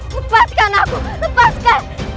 lepaskan aku lepaskan